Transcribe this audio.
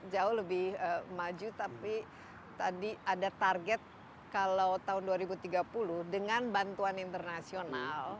jauh lebih maju tapi tadi ada target kalau tahun dua ribu tiga puluh dengan bantuan internasional